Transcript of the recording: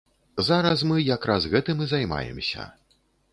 Зараз мы як раз гэтым і займаемся.